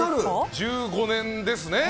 １５年ですね。